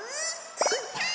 うーたん